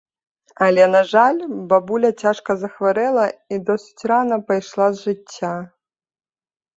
Але, на жаль, бабуля цяжка захварэла і досыць рана пайшла з жыцця.